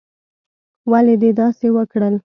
ولې دې داسې وکړل؟